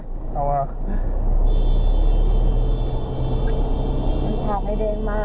มองไอเดงมากเลยอ่ะ